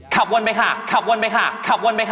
ขับวนไปค่ะขับวนไปค่ะขับวนไปค่ะ